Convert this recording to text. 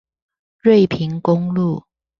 瑞平公路